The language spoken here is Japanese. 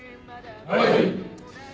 はい。